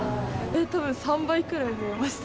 たぶん３倍くらい増えました。